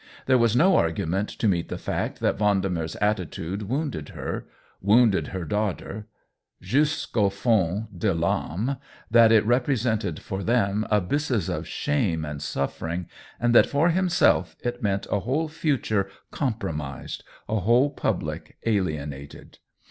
There was no argument to meet the fact that Vendemer's attitude wounded her, wounded her daughter, jusqu' au fond de V&me, that it represented for them abysses of shame and suffering, and that for himself it meant a whole future com promised, a whole public alienated.